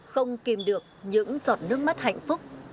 không kìm được những giọt nước mắt hạnh phúc